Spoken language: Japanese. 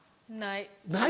「ない」。